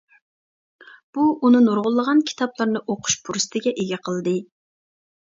بۇ ئۇنى نۇرغۇنلىغان كىتابلارنى ئوقۇش پۇرسىتىگە ئىگە قىلدى.